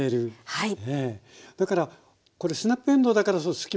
はい。